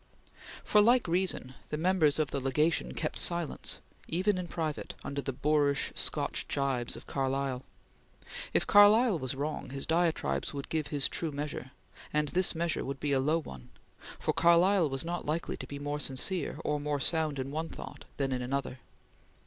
For like reason, the members of the Legation kept silence, even in private, under the boorish Scotch jibes of Carlyle. If Carlyle was wrong, his diatribes would give his true measure, and this measure would be a low one, for Carlyle was not likely to be more sincere or more sound in one thought than in another.